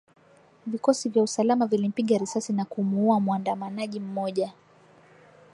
Vikosi vya usalama vilimpiga risasi na kumuuwa muandamanaji mmoja